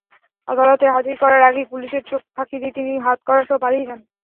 আদালতে হাজির করার আগেই পুলিশের চোখ ফাঁকি দিয়ে তিনি হাতকড়াসহ পালিয়ে যান।